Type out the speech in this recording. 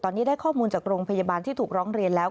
ตอนนี้ได้ข้อมูลจากโรงพยาบาลที่ถูกร้องเรียนแล้ว